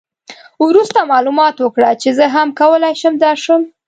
وروسته معلومات وکړه چې زه هم کولای شم درشم.